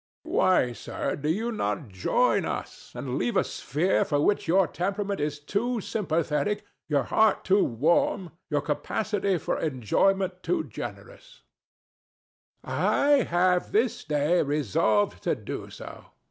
THE DEVIL. Why, sir, do you not join us, and leave a sphere for which your temperament is too sympathetic, your heart too warm, your capacity for enjoyment too generous? THE STATUE. I have this day resolved to do so.